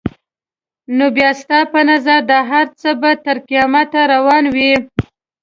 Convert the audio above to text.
نو بیا ستا په نظر دا هر څه به تر قیامته روان وي؟